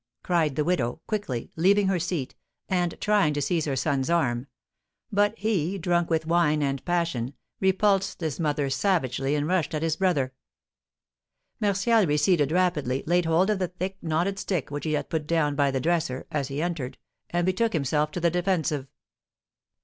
cried the widow, quickly, leaving her seat, and trying to seize her son's arm; but he, drunk with wine and passion, repulsed his mother savagely, and rushed at his brother. Martial receded rapidly, laid hold of the thick, knotted stick which he had put down by the dresser, as he entered, and betook himself to the defensive.